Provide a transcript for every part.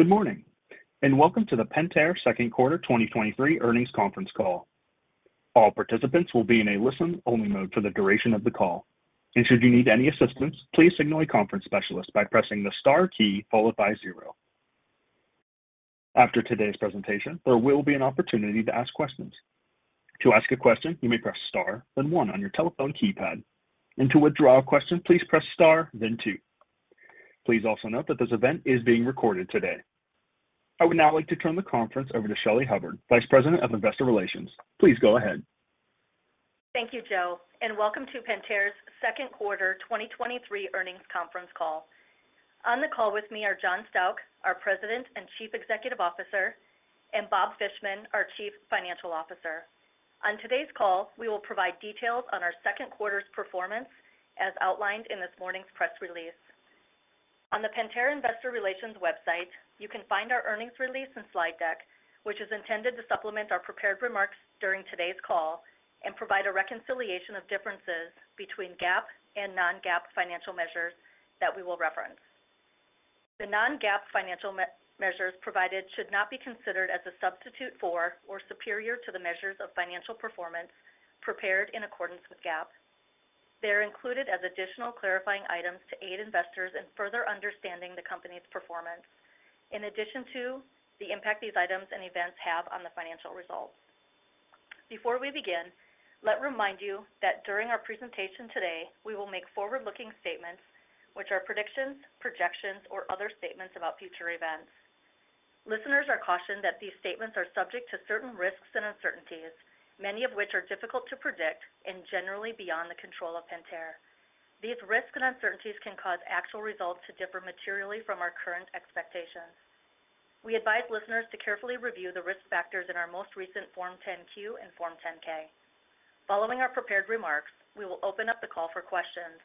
Good morning, and welcome to the Pentair Second Quarter 2023 Earnings Conference Call. All participants will be in a listen-only mode for the duration of the call, and should you need any assistance, please signal a conference specialist by pressing the star key followed by zero. After today's presentation, there will be an opportunity to ask questions. To ask a question, you may press star, then one on your telephone keypad, and to withdraw a question, please press star then two. Please also note that this event is being recorded today. I would now like to turn the conference over to Shelly Hubbard, Vice President of Investor Relations. Please go ahead. Thank you, Joe, and welcome to Pentair's Second Quarter 2023 Earnings Conference Call. On the call with me are John Stauch, our President and Chief Executive Officer, and Bob Fishman, our Chief Financial Officer. On today's call, we will provide details on our second quarter's performance as outlined in this morning's press release. On the Pentair Investor Relations website, you can find our earnings release and slide deck, which is intended to supplement our prepared remarks during today's call and provide a reconciliation of differences between GAAP and non-GAAP financial measures that we will reference. The non-GAAP financial measures provided should not be considered as a substitute for or superior to the measures of financial performance prepared in accordance with GAAP. They are included as additional clarifying items to aid investors in further understanding the company's performance, in addition to the impact these items and events have on the financial results. Before we begin, let remind you that during our presentation today, we will make forward-looking statements which are predictions, projections, or other statements about future events. Listeners are cautioned that these statements are subject to certain risks and uncertainties, many of which are difficult to predict and generally beyond the control of Pentair. These risks and uncertainties can cause actual results to differ materially from our current expectations. We advise listeners to carefully review the risk factors in our most recent Form 10-Q and Form 10-K. Following our prepared remarks, we will open up the call for questions.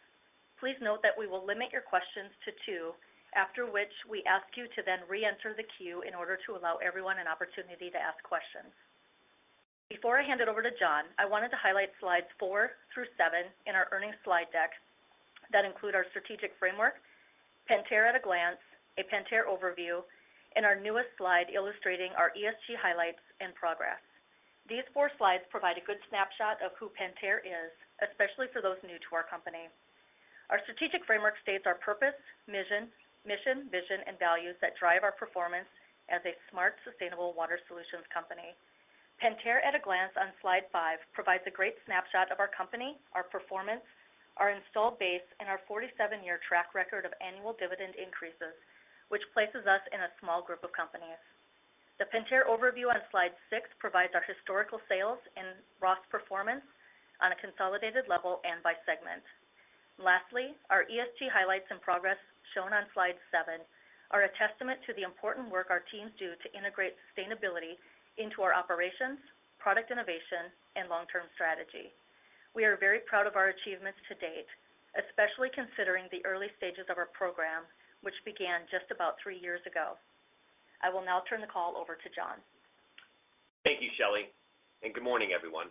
Please note that we will limit your questions to two, after which we ask you to then reenter the queue in order to allow everyone an opportunity to ask questions. Before I hand it over to John, I wanted to highlight slides four through seven in our earnings slide deck that include our strategic framework, Pentair at a glance, a Pentair overview, and our newest slide illustrating our ESG highlights and progress. These four slides provide a good snapshot of who Pentair is, especially for those new to our company. Our strategic framework states our purpose, mission, vision, and values that drive our performance as a smart, sustainable water solutions company. Pentair at a glance on slide five provides a great snapshot of our company, our performance, our installed base, and our 47-year track record of annual dividend increases, which places us in a small group of companies. The Pentair overview on slide six provides our historical sales and ROS performance on a consolidated level and by segment. Lastly, our ESG highlights and progress shown on slide seven are a testament to the important work our teams do to integrate sustainability into our operations, product innovation, and long-term strategy. We are very proud of our achievements to date, especially considering the early stages of our program, which began just about three years ago. I will now turn the call over to John. Thank you, Shelly. Good morning, everyone.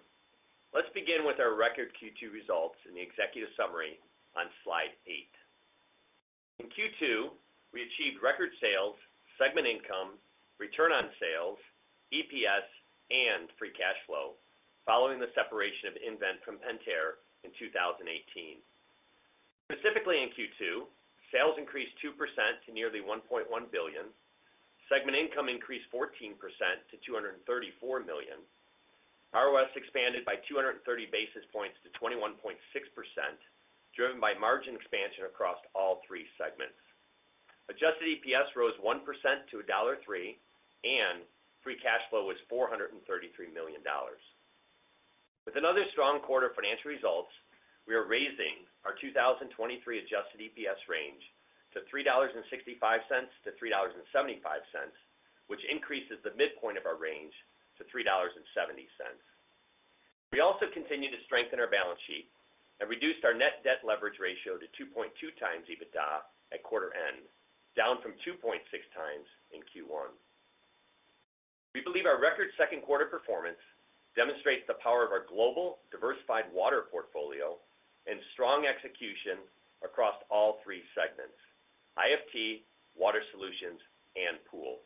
Let's begin with our record Q2 results and the executive summary on slide eight. In Q2, we achieved record sales, segment income, return on sales, EPS, and free cash flow following the separation of nVent from Pentair in 2018. Specifically in Q2, sales increased 2% to nearly $1.1 billion. Segment income increased 14% to $234 million. ROS expanded by 230 basis points to 21.6%, driven by margin expansion across all three segments. Adjusted EPS rose 1% to $1.03, and free cash flow was $433 million. With another strong quarter financial results, we are raising our 2023 adjusted EPS range to $3.65-$3.75, which increases the midpoint of our range to $3.70. We also continue to strengthen our balance sheet and reduced our net debt leverage ratio to 2.2x EBITDA at quarter end, down from 2.6x in Q1. We believe our record second quarter performance demonstrates the power of our global, diversified water portfolio and strong execution across all three segments: IFT, Water Solutions, and Pool.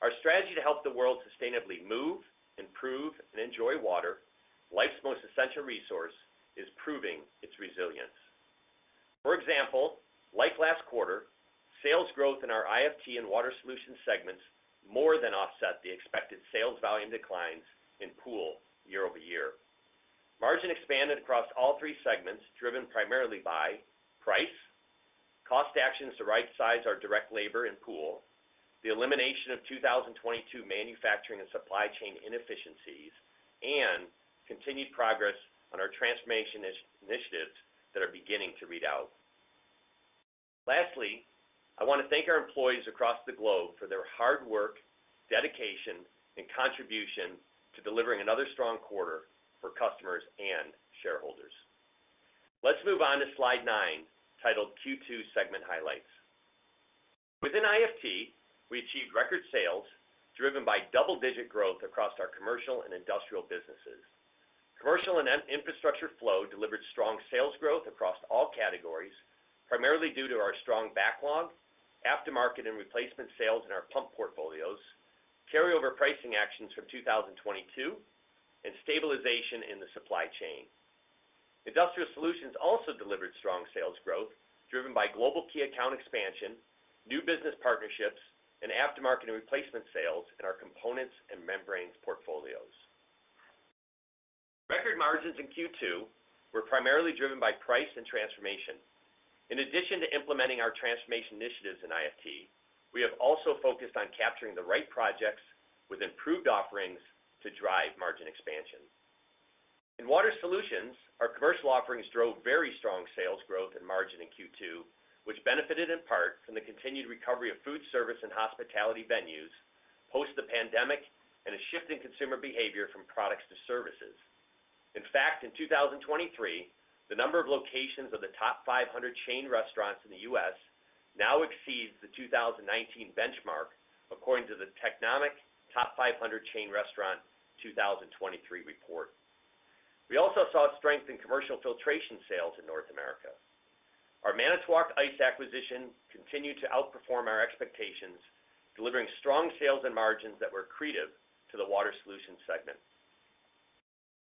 Our strategy to help the world sustainably move, improve, and enjoy water, life's most essential resource, is proving its resilience. For example, like last quarter, sales growth in our IFT and Water Solutions segments more than offset the expected sales volume declines in Pool year-over-year. Margin expanded across all three segments, driven primarily by price, cost actions to rightsize our direct labor and Pool, the elimination of 2022 manufacturing and supply chain inefficiencies, and continued progress on our transformation initiatives that are beginning to read out. Lastly, I want to thank our employees across the globe for their hard work, dedication, and contribution to delivering another strong quarter for customers and shareholders. Let's move on to slide nine, titled Q2 Segment Highlights. Within IFT, we achieved record sales driven by double-digit growth across our commercial and industrial businesses. Commercial and infrastructure flow delivered strong sales growth across all categories, primarily due to our strong backlog, aftermarket, and replacement sales in our pump portfolios, carryover pricing actions from 2022, and stabilization in the supply chain. Industrial Solutions also delivered strong sales growth, driven by global key account expansion, new business partnerships, and aftermarket and replacement sales in our components and membranes portfolios. Record margins in Q2 were primarily driven by price and transformation. In addition to implementing our transformation initiatives in IFT, we have also focused on capturing the right projects with improved offerings to drive margin expansion. In Water Solutions, our commercial offerings drove very strong sales growth and margin in Q2, which benefited in part from the continued recovery of food service and hospitality venues post the pandemic, and a shift in consumer behavior from products to services. In fact, in 2023, the number of locations of the top five hundred chain restaurants in the US now exceeds the 2019 benchmark, according to the Technomic Top Five Hundred Chain Restaurant 2023 report. We also saw strength in commercial filtration sales in North America. Our Manitowoc Ice acquisition continued to outperform our expectations, delivering strong sales and margins that were accretive to the Water Solutions segment.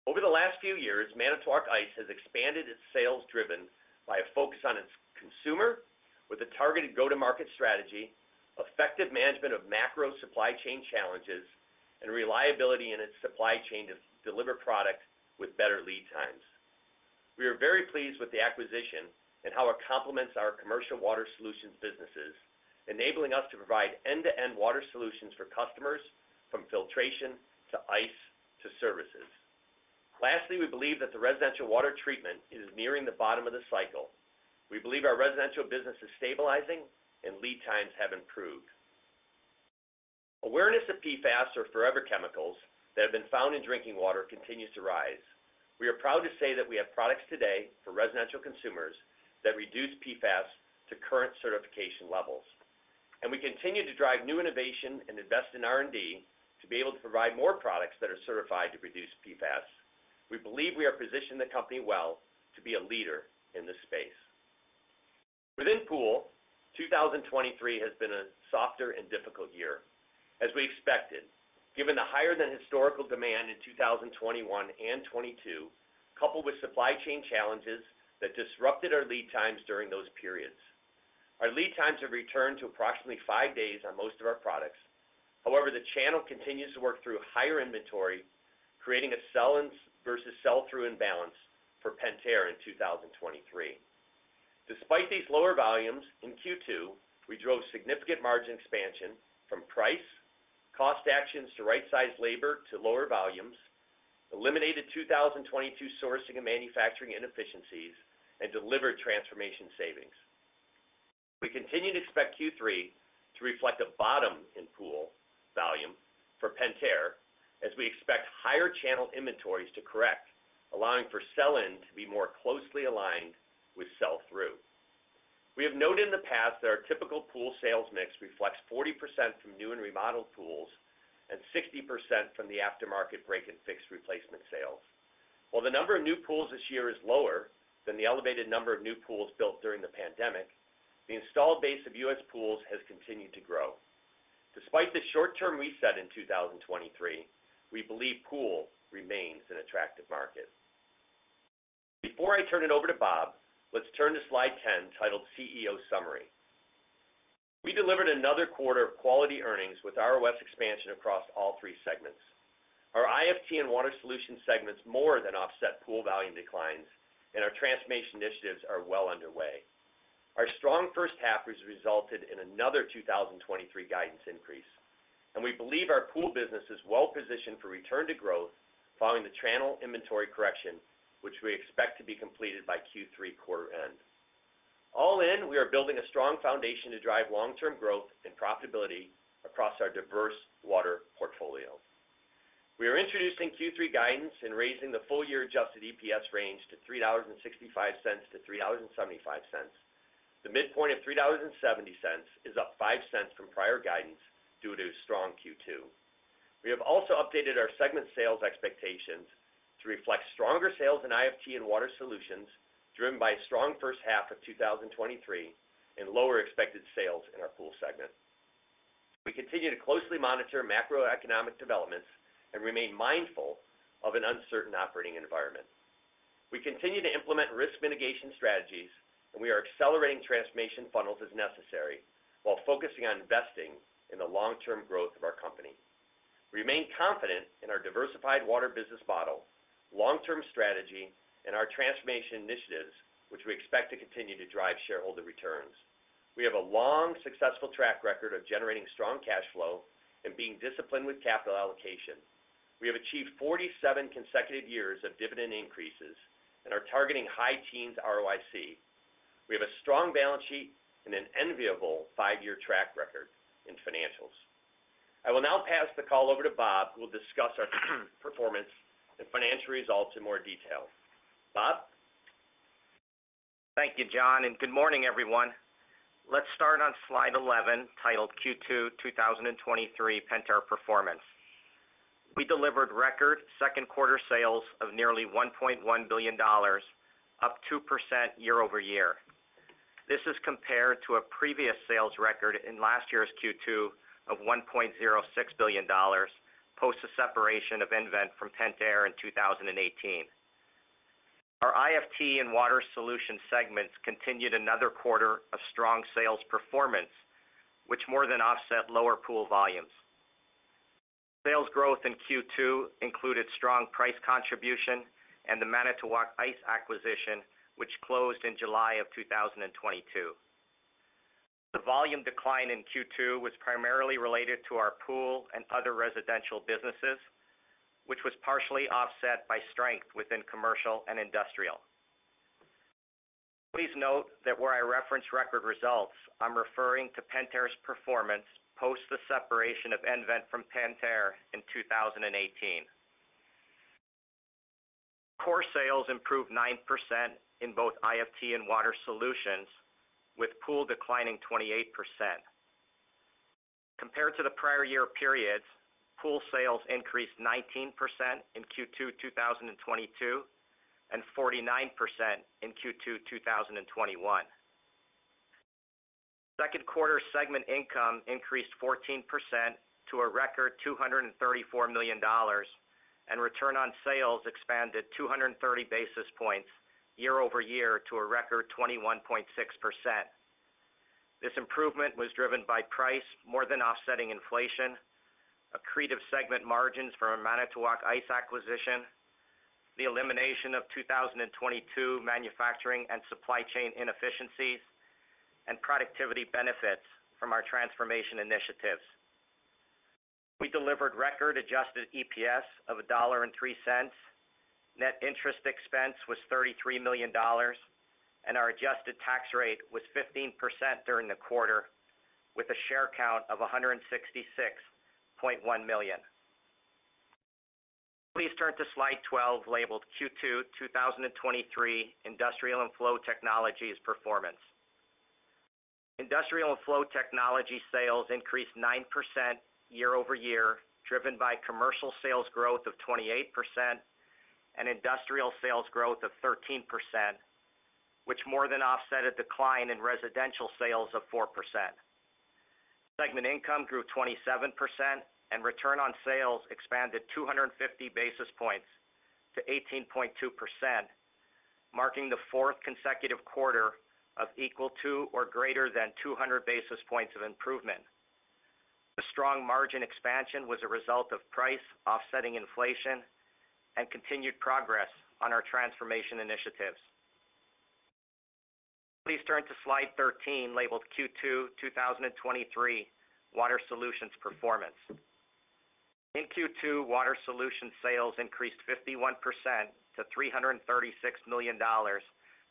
Over the last few years, Manitowoc Ice has expanded its sales, driven by a focus on its consumer with a targeted go-to-market strategy, effective management of macro supply chain challenges, and reliability in its supply chain to deliver product with better lead times. We are very pleased with the acquisition and how it complements our commercial water solutions businesses, enabling us to provide end-to-end water solutions for customers, from filtration to ice to services. Lastly, we believe that the residential water treatment is nearing the bottom of the cycle. We believe our residential business is stabilizing and lead times have improved. Awareness of PFAS, or forever chemicals, that have been found in drinking water continues to rise. We are proud to say that we have products today for residential consumers that reduce PFAS to current certification levels, and we continue to drive new innovation and invest in R&D to be able to provide more products that are certified to reduce PFAS. We believe we have positioned the company well to be a leader in this space. Within Pool, 2023 has been a softer and difficult year, as we expected, given the higher than historical demand in 2021 and 2022, coupled with supply chain challenges that disrupted our lead times during those periods. Our lead times have returned to approximately five days on most of our products. However, the channel continues to work through higher inventory, creating a sell-in versus sell-through imbalance for Pentair in 2023. Despite these lower volumes, in Q2, we drove significant margin expansion from price, cost actions to right-size labor to lower volumes, eliminated 2022 sourcing and manufacturing inefficiencies, and delivered transformation savings. We continue to expect Q3 to reflect a bottom in pool volume for Pentair, as we expect higher channel inventories to correct, allowing for sell-in to be more closely aligned with sell-through. We have noted in the past that our typical pool sales mix reflects 40% from new and remodeled pools and 60% from the aftermarket break and fix replacement sales. While the number of new pools this year is lower than the elevated number of new pools built during the pandemic, the installed base of U.S. Pools has continued to grow. Despite the short-term reset in 2023, we believe pool remains an attractive market. Before I turn it over to Bob, let's turn to slide 10, titled CEO Summary. We delivered another quarter of quality earnings with ROS expansion across all three segments. Our IFT and Water Solutions segments more than offset Pool volume declines, and our transformation initiatives are well underway. Our strong first half has resulted in another 2023 guidance increase, and we believe our Pool business is well positioned for return to growth following the channel inventory correction, which we expect to be completed by Q3 quarter end. All in, we are building a strong foundation to drive long-term growth and profitability across our diverse water portfolio. We are introducing Q3 guidance and raising the full-year adjusted EPS range to $3.65-$3.75. The midpoint of $3.70 is up $0.05 from prior guidance due to strong Q2. We have also updated our segment sales expectations to reflect stronger sales in IFT and Water Solutions, driven by a strong first half of 2023, and lower expected sales in our Pool segment. We continue to closely monitor macroeconomic developments and remain mindful of an uncertain operating environment. We continue to implement risk mitigation strategies, and we are accelerating transformation funnels as necessary while focusing on investing in the long-term growth of our company. We remain confident in our diversified water business model, long-term strategy, and our transformation initiatives, which we expect to continue to drive shareholder returns. We have a long, successful track record of generating strong cash flow and being disciplined with capital allocation. We have achieved 47 consecutive years of dividend increases and are targeting high teens ROIC. We have a strong balance sheet and an enviable five-year track record in financials. I will now pass the call over to Bob, who will discuss our performance and financial results in more detail. Bob? Thank you, John, and good morning, everyone. Let's start on slide 11, titled Q2 2023 Pentair Performance. We delivered record second quarter sales of nearly $1.1 billion, up 2% year-over-year. This is compared to a previous sales record in last year's Q2 of $1.06 billion, post the separation of nVent from Pentair in 2018. Our IFT and Water Solutions segments continued another quarter of strong sales performance, which more than offset lower Pool volumes. Sales growth in Q2 included strong price contribution and the Manitowoc Ice acquisition, which closed in July of 2022. The volume decline in Q2 was primarily related to our Pool and other residential businesses, which was partially offset by strength within commercial and industrial. Please note that where I reference record results, I'm referring to Pentair's performance post the separation of nVent from Pentair in 2018. Core sales improved 9% in both IFT and Water Solutions, with Pool declining 28%. Compared to the prior year periods, Pool sales increased 19% in Q2 2022, and 49% in Q2 2021. Second quarter segment income increased 14% to a record $234 million, and return on sales expanded 230 basis points year-over-year to a record 21.6%. This improvement was driven by price more than offsetting inflation, accretive segment margins from our Manitowoc Ice acquisition, the elimination of 2022 manufacturing and supply chain inefficiencies, and productivity benefits from our transformation initiatives. We delivered record adjusted EPS of $1.03. Net interest expense was $33 million. Our adjusted tax rate was 15% during the quarter, with a share count of 166.1 million. Please turn to slide 12, labeled Q2 2023 Industrial & Flow Technologies Performance. Industrial & Flow Technologies sales increased 9% year-over-year, driven by commercial sales growth of 28% and industrial sales growth of 13%, which more than offset a decline in residential sales of 4%. Segment income grew 27%, and return on sales expanded 250 basis points to 18.2%, marking the fourth consecutive quarter of equal to or greater than 200 basis points of improvement. The strong margin expansion was a result of price offsetting inflation and continued progress on our transformation initiatives. Please turn to slide 13, labeled Q2 2023 Water Solutions Performance. In Q2, Water Solutions sales increased 51% to $336 million,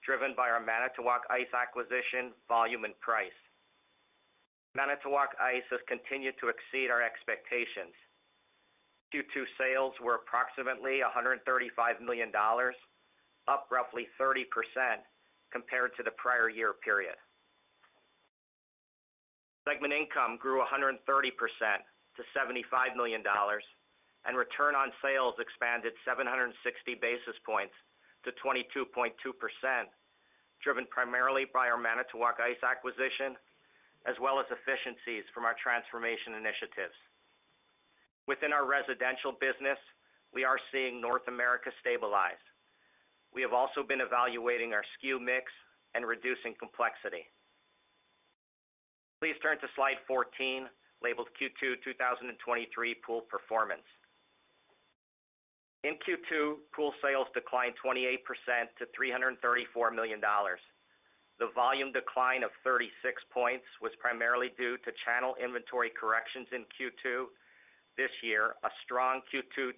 driven by our Manitowoc Ice acquisition, volume, and price. Manitowoc Ice has continued to exceed our expectations. Q2 sales were approximately $135 million, up roughly 30% compared to the prior year period. Segment income grew 130% to $75 million. Return on sales expanded 760 basis points to 22.2%, driven primarily by our Manitowoc Ice acquisition, as well as efficiencies from our transformation initiatives. Within our residential business, we are seeing North America stabilize. We have also been evaluating our SKU mix and reducing complexity. Please turn to slide 14, labeled Q2 2023 Pool Performance. In Q2, Pool sales declined 28% to $334 million. The volume decline of 36 points was primarily due to channel inventory corrections in Q2. This year, a strong Q2 2022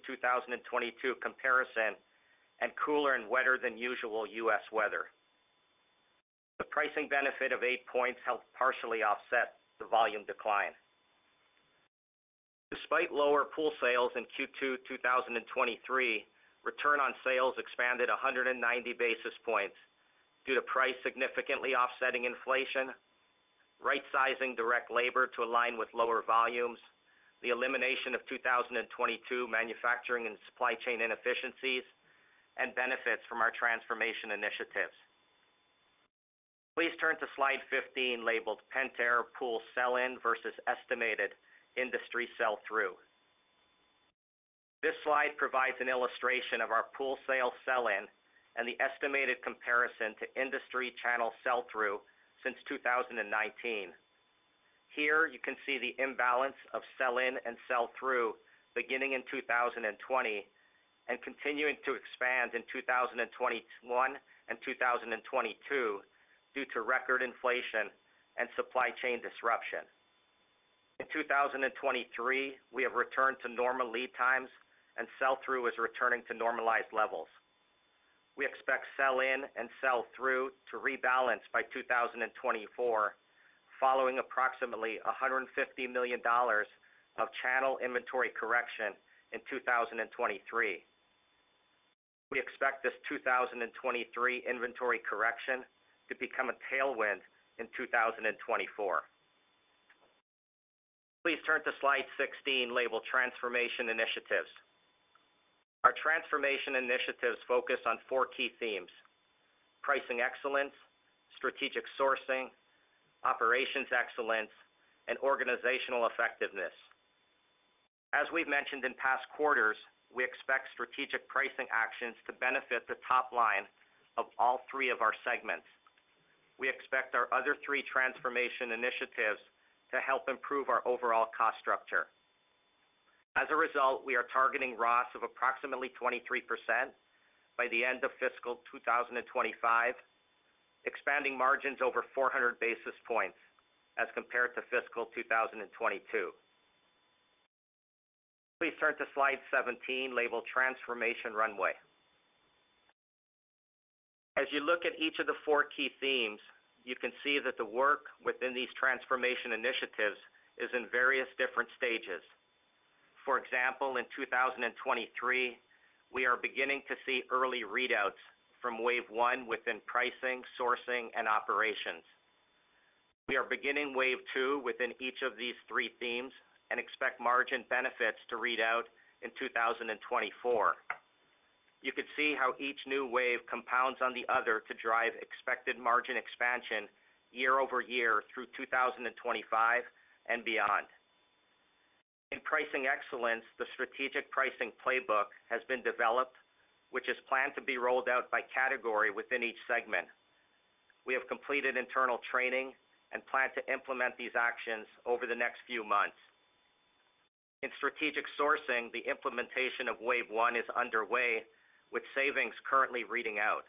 comparison and cooler and wetter than usual U.S. weather. The pricing benefit of eight points helped partially offset the volume decline. Despite lower pool sales in Q2 2023, return on sales expanded 190 basis points due to price significantly offsetting inflation, right sizing direct labor to align with lower volumes, the elimination of 2022 manufacturing and supply chain inefficiencies, and benefits from our transformation initiatives. Please turn to slide 15, labeled Pentair Pool Sell-In versus Estimated Industry Sell-Through. This slide provides an illustration of our pool sale sell-in and the estimated comparison to industry channel sell-through since 2019. Here you can see the imbalance of sell-in and sell-through beginning in 2020 and continuing to expand in 2021 and 2022 due to record inflation and supply chain disruption. In 2023, we have returned to normal lead times and sell-through is returning to normalized levels. We expect sell-in and sell-through to rebalance by 2024. following approximately $150 million of channel inventory correction in 2023. We expect this 2023 inventory correction to become a tailwind in 2024. Please turn to slide 16, labeled Transformation Initiatives. Our transformation initiatives focus on four key themes: pricing excellence, strategic sourcing, operations excellence, and organizational effectiveness. As we've mentioned in past quarters, we expect strategic pricing actions to benefit the top line of all three of our segments. We expect our other three transformation initiatives to help improve our overall cost structure. As a result, we are targeting ROS of approximately 23% by the end of fiscal 2025, expanding margins over 400 basis points as compared to fiscal 2022. Please turn to slide 17, labeled Transformation Runway. As you look at each of the four key themes, you can see that the work within these transformation initiatives is in various different stages. For example, in 2023, we are beginning to see early readouts from wave one within pricing, sourcing, and operations. We are beginning wave two within each of these three themes and expect margin benefits to read out in 2024. You can see how each new wave compounds on the other to drive expected margin expansion year over year through 2025 and beyond. In pricing excellence, the strategic pricing playbook has been developed, which is planned to be rolled out by category within each segment. We have completed internal training and plan to implement these actions over the next few months. In strategic sourcing, the implementation of wave one is underway, with savings currently reading out.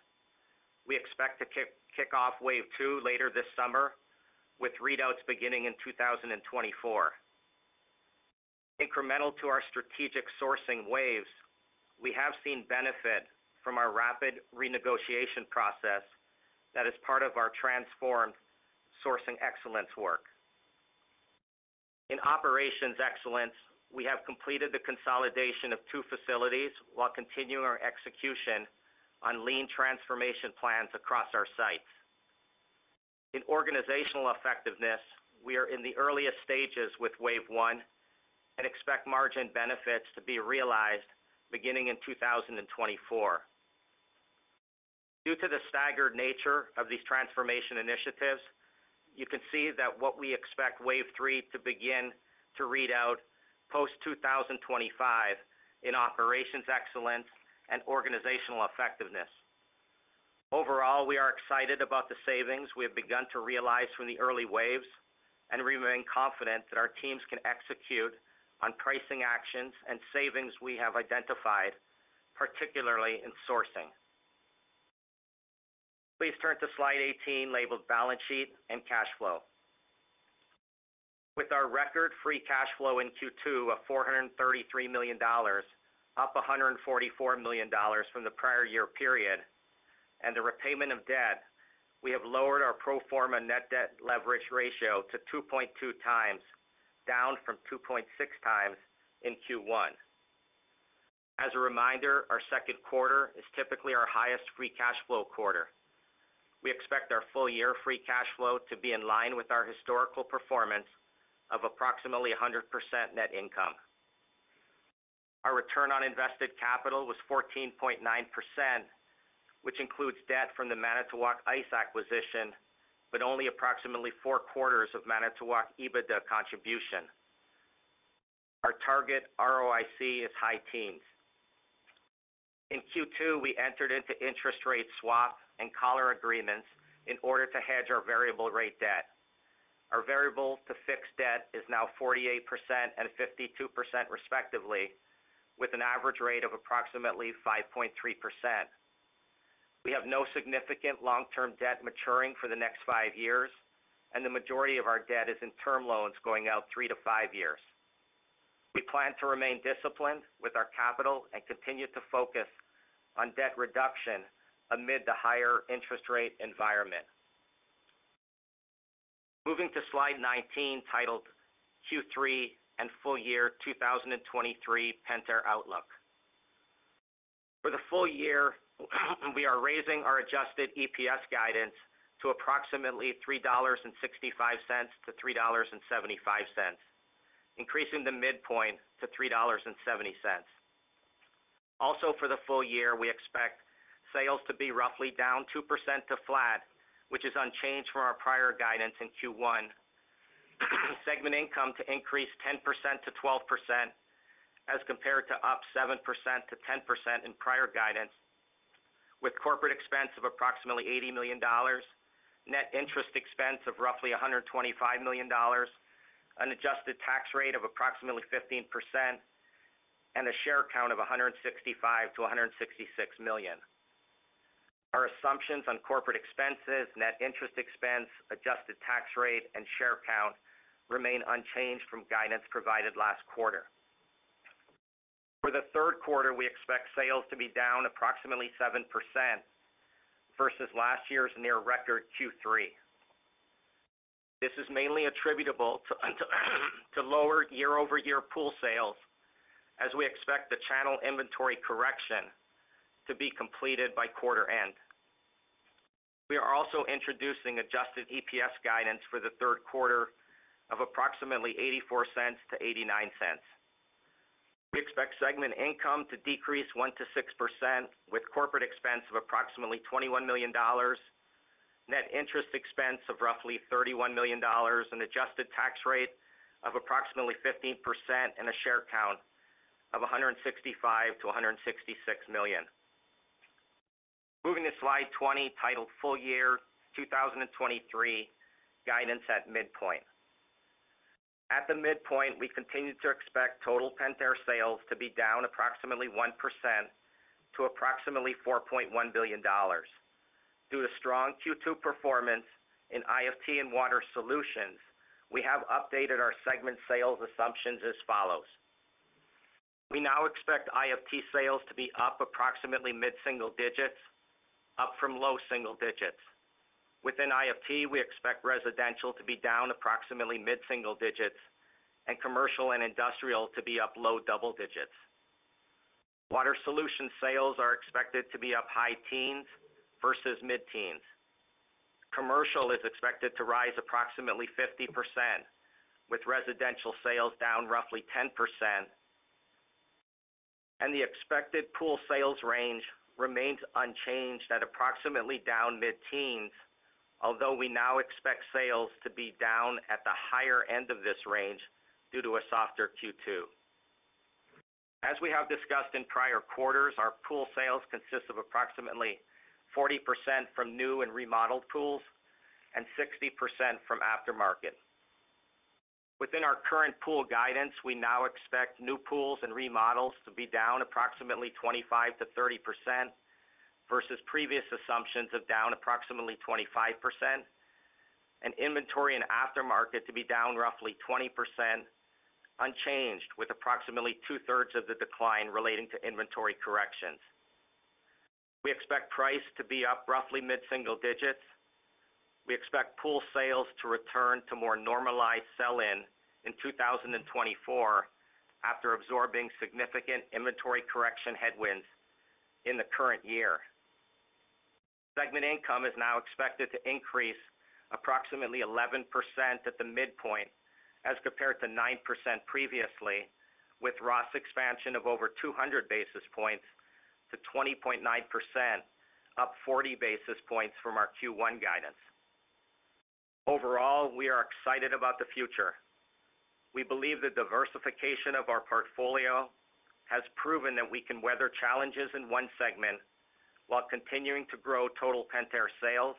We expect to kick off wave two later this summer, with readouts beginning in 2024. Incremental to our strategic sourcing waves, we have seen benefit from our rapid renegotiation process that is part of our transformed sourcing excellence work. In operations excellence, we have completed the consolidation of two facilities while continuing our execution on lean transformation plans across our sites. In organizational effectiveness, we are in the earliest stages with wave one and expect margin benefits to be realized beginning in 2024. Due to the staggered nature of these transformation initiatives, you can see that what we expect wave three to begin to read out post 2025 in operations excellence and organizational effectiveness. Overall, we are excited about the savings we have begun to realize from the early waves and remain confident that our teams can execute on pricing actions and savings we have identified, particularly in sourcing. Please turn to slide 18, labeled Balance Sheet and Cash Flow. With our record free cash flow in Q2 of $433 million, up $144 million from the prior year period, and the repayment of debt, we have lowered our pro forma net debt leverage ratio to 2.2x, down from 2.6x in Q1. As a reminder, our second quarter is typically our highest free cash flow quarter. We expect our full-year free cash flow to be in line with our historical performance of approximately 100% net income. Our return on invested capital was 14.9%, which includes debt from the Manitowoc Ice acquisition, but only approximately four quarters of Manitowoc EBITDA contribution. Our target ROIC is high teens. In Q2, we entered into interest rate swap and collar agreements in order to hedge our variable rate debt. Our variable to fixed debt is now 48% and 52%, respectively, with an average rate of approximately 5.3%. We have no significant long-term debt maturing for the next five years, and the majority of our debt is in term loans going out three to five years. We plan to remain disciplined with our capital and continue to focus on debt reduction amid the higher interest rate environment. Moving to slide 19, titled Q3 and Full Year 2023 Pentair Outlook. For the full year, we are raising our adjusted EPS guidance to approximately $3.65-$3.75, increasing the midpoint to $3.70. For the full year, we expect sales to be roughly down 2% to flat, which is unchanged from our prior guidance in Q1. Segment income to increase 10%-12% as compared to up 7%-10% in prior guidance, with corporate expense of approximately $80 million, net interest expense of roughly $125 million, an adjusted tax rate of approximately 15%, and a share count of 165 million-166 million. Our assumptions on corporate expenses, net interest expense, adjusted tax rate, and share count remain unchanged from guidance provided last quarter. The third quarter, we expect sales to be down approximately 7% versus last year's near-record Q3. This is mainly attributable to lower year-over-year Pool sales, as we expect the channel inventory correction to be completed by quarter end. We are also introducing adjusted EPS guidance for the third quarter of approximately $0.84-$0.89. We expect segment income to decrease 1%-6%, with corporate expense of approximately $21 million, net interest expense of roughly $31 million, an adjusted tax rate of approximately 15%, and a share count of 165 million-166 million. Moving to slide 20, titled Full Year 2023 Guidance at Midpoint. At the midpoint, we continue to expect total Pentair sales to be down approximately 1% to approximately $4.1 billion. Due to strong Q2 performance in IFT and Water Solutions, we have updated our segment sales assumptions as follows: We now expect IFT sales to be up approximately mid-single digits, up from low single digits. Within IFT, we expect residential to be down approximately mid-single digits and commercial and industrial to be up low double digits. Water Solutions sales are expected to be up high teens versus mid-teens. Commercial is expected to rise approximately 50%, with residential sales down roughly 10%, and the expected Pool sales range remains unchanged at approximately down mid-teens, although we now expect sales to be down at the higher end of this range due to a softer Q2. As we have discussed in prior quarters, our Pool sales consist of approximately 40% from new and remodeled pools and 60% from aftermarket. Within our current Pool guidance, we now expect new pools and remodels to be down approximately 25%-30% versus previous assumptions of down approximately 25%, and inventory and aftermarket to be down roughly 20%, unchanged, with approximately two-thirds of the decline relating to inventory corrections. We expect price to be up roughly mid-single digits. We expect Pool sales to return to more normalized sell-in in 2024, after absorbing significant inventory correction headwinds in the current year. Segment income is now expected to increase approximately 11% at the midpoint, as compared to 9% previously, with ROS expansion of over 200 basis points to 20.9%, up 40 basis points from our Q1 guidance. Overall, we are excited about the future. We believe the diversification of our portfolio has proven that we can weather challenges in one segment while continuing to grow total Pentair sales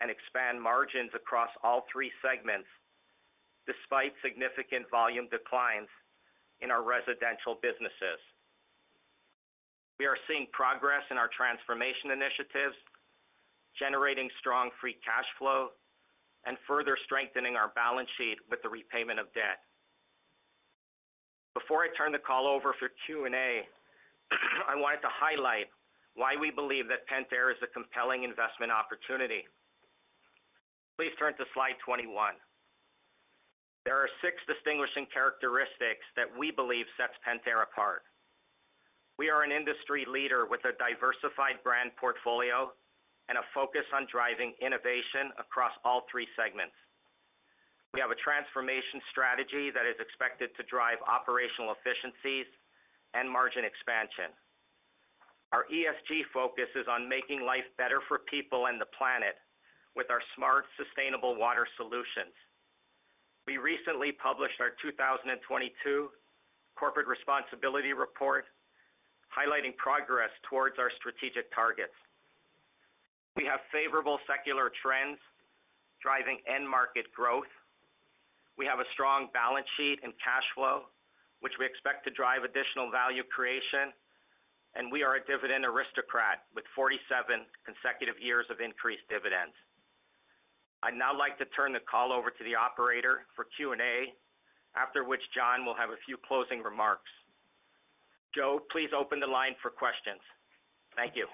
and expand margins across all three segments, despite significant volume declines in our residential businesses. We are seeing progress in our transformation initiatives, generating strong free cash flow and further strengthening our balance sheet with the repayment of debt. Before I turn the call over for Q&A, I wanted to highlight why we believe that Pentair is a compelling investment opportunity. Please turn to slide 21. There are six distinguishing characteristics that we believe sets Pentair apart. We are an industry leader with a diversified brand portfolio and a focus on driving innovation across all three segments. We have a transformation strategy that is expected to drive operational efficiencies and margin expansion. Our ESG focus is on making life better for people and the planet with our smart, sustainable water solutions. We recently published our 2022 Corporate Responsibility Report, highlighting progress towards our strategic targets. We have favorable secular trends driving end-market growth. We have a strong balance sheet and cash flow, which we expect to drive additional value creation, and we are a Dividend Aristocrat with 47 consecutive years of increased dividends. I'd now like to turn the call over to the operator for Q&A, after which John will have a few closing remarks. Joe, please open the line for questions. Thank you.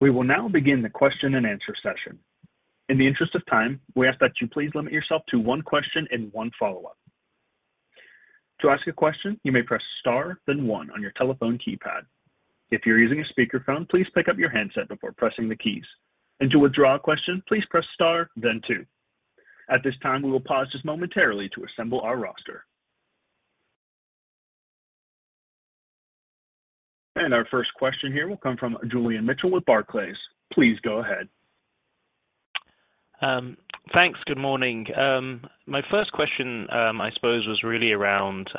We will now begin the question-and-answer session. In the interest of time, we ask that you please limit yourself to one question and one follow-up. To ask a question, you may press star, then one on your telephone keypad. If you're using a speakerphone, please pick up your handset before pressing the keys. To withdraw a question, please press star, then two. At this time, we will pause just momentarily to assemble our roster. Our first question here will come from Julian Mitchell with Barclays. Please go ahead. Thanks. Good morning. My first question, I suppose, was really around,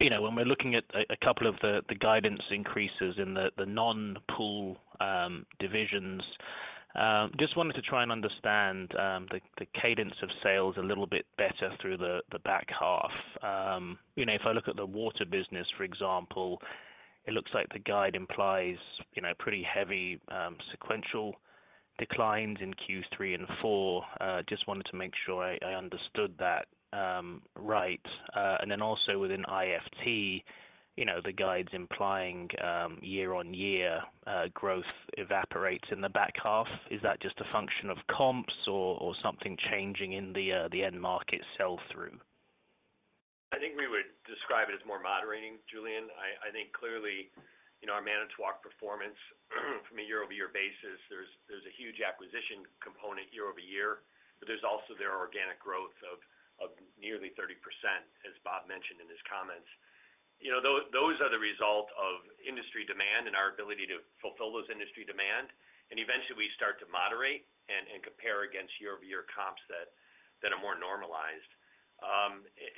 you know, when we're looking at a couple of the guidance increases in the non-Pool divisions, just wanted to try and understand the cadence of sales a little bit better through the back half. You know, if I look at the Water Solutions business, for example, it looks like the guide implies, you know, pretty heavy sequential declines in Q3 and Q4. Just wanted to make sure I understood that right. Also within IFT, you know, the guide's implying year-on-year growth evaporates in the back half. Is that just a function of comps or something changing in the end market sell-through? I think we would describe it as more moderating, Julian. I think clearly, you know, our Manitowoc performance from a year-over-year basis, there's a huge acquisition component year-over-year, but there's also their organic growth of nearly 30%, as Bob mentioned in his comments. Those are the result of industry demand and our ability to fulfill those industry demand, eventually we start to moderate and compare against year-over-year comps that are more normalized.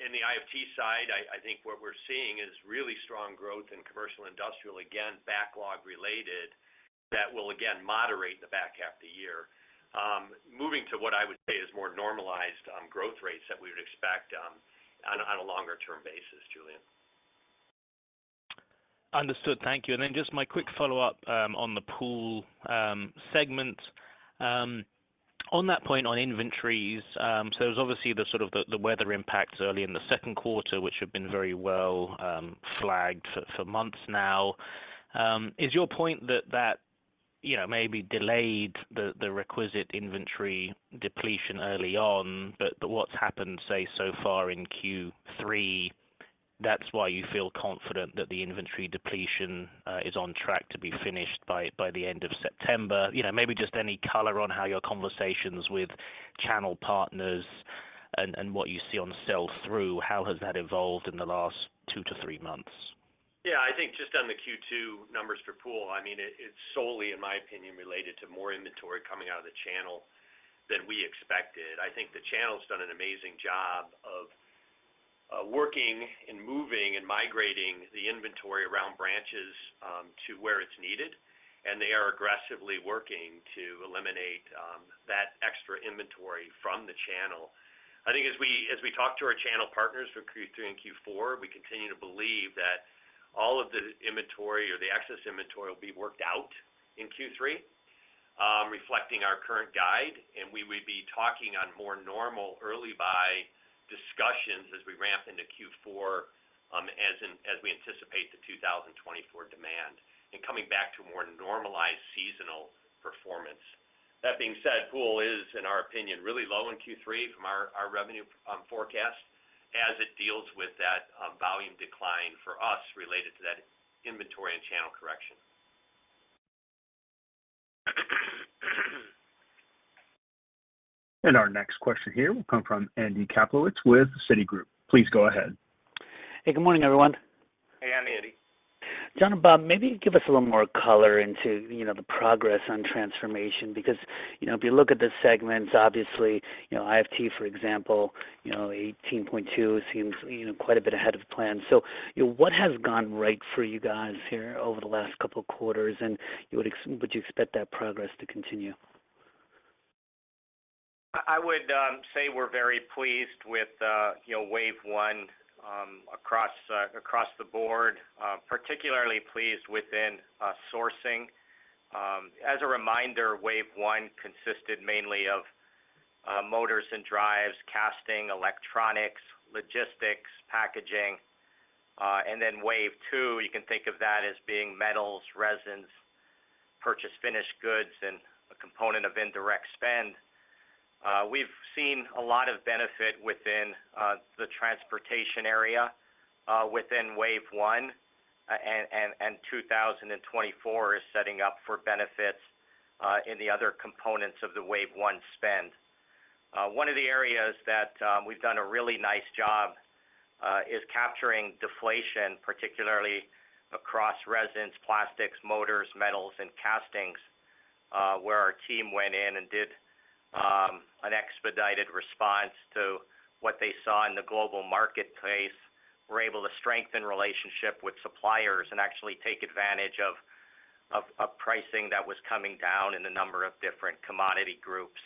In the IFT side, I think what we're seeing is really strong growth in commercial industrial, again, backlog related, that will again moderate the back half of the year. Moving to what I would say is more normalized growth rates that we would expect on a longer-term basis, Julian. Understood. Thank you. Then just my quick follow-up, on the Pool segment. On that point on inventories, there's obviously the sort of the weather impacts early in the second quarter, which have been very well flagged for months now. Is your point that that, you know, maybe delayed the requisite inventory depletion early on, but what's happened, say, so far in Q3, that's why you feel confident that the inventory depletion is on track to be finished by the end of September? You know, maybe just any color on how your conversations with channel partners and what you see on sell-through, how has that evolved in the last two to three months? I think just on the Q2 numbers for Pool, I mean, it's solely, in my opinion, related to more inventory coming out of the channel than we expected. I think the channel's done an amazing job of working and moving and migrating the inventory around branches to where it's needed, and they are aggressively working to eliminate that extra inventory from the channel. I think as we talk to our channel partners for Q3 and Q4, we continue to believe that all of the inventory or the excess inventory will be worked out in Q3, reflecting our current guide, and we would be talking on more normal early buy discussions as we ramp into Q4 as we anticipate the 2024 demand and coming back to a more normalized seasonal performance. That being said, Pool is, in our opinion, really low in Q3 from our revenue forecast as it deals with that, volume decline for us related to that inventory and channel correction. Our next question here will come from Andy Kaplowitz with Citigroup. Please go ahead. Hey, good morning, everyone. Hey, Andy. John and Bob, maybe give us a little more color into, you know, the progress on transformation, because, you know, if you look at the segments, obviously, you know, IFT, for example, you know, 18.2 seems, you know, quite a bit ahead of plan. What has gone right for you guys here over the last couple of quarters, and would you expect that progress to continue? I would say we're very pleased with, you know, wave one, across the board, particularly pleased within sourcing. As a reminder, wave one consisted mainly of motors and drives, casting, electronics, logistics, packaging. Then wave two, you can think of that as being metals, resins, purchase finished goods, and a component of indirect spend. We've seen a lot of benefit within the transportation area, within wave one, and 2024 is setting up for benefits in the other components of the wave one spend. One of the areas that we've done a really nice job is capturing deflation, particularly across resins, plastics, motors, metals, and castings, where our team went in and did an expedited response to what they saw in the global marketplace. We're able to strengthen relationship with suppliers and actually take advantage of pricing that was coming down in a number of different commodity groups.